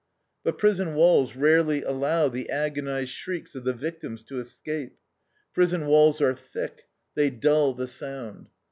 But prison walls rarely allow the agonized shrieks of the victims to escape prison walls are thick, they dull the sound.